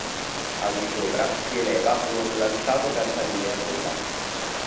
Al di sopra si eleva uno slanciato campanile a vela.